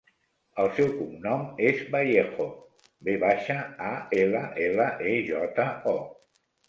El seu cognom és Vallejo: ve baixa, a, ela, ela, e, jota, o.